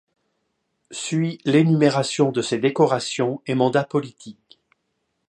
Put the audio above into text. Suit l'énumération de ses décorations et mandats politiques.